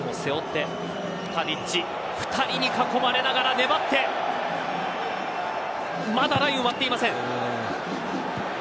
２人に囲まれながら粘ってまだラインを割っていません。